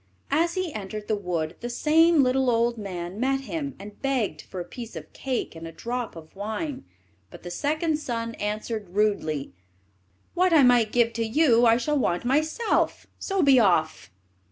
As he entered the wood the same little old man met him, and begged for a piece of cake and a drop of wine. But the second son answered rudely: "What I might give to you I shall want myself, so be off."